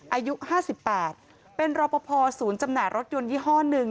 อายุ๕๘เป็นรอปภศูนย์จำหน่ายรถยนต์ยี่ห้อหนึ่ง